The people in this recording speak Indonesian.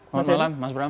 selamat malam mas bram